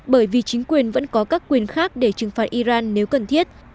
bởi vì chính quyền vẫn có các quyền khác để trừng phạt iran nếu cần thiết